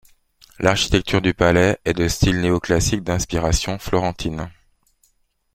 L'architecture du palais est de style néo-classique d'inspiration florentine.